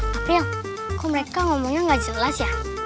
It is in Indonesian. pak priyel kok mereka ngomongnya nggak jelas ya